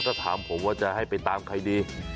ก็ถามผมว่าจะให้ไปตามใครดี